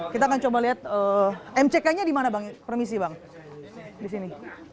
kita akan coba lihat mc kayaknya di mana bang permisi bang disini